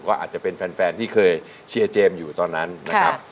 ก็อาจจะเป็นแฟนที่เคยเชียร์เจมส์อยู่ตอนนั้นนะครับ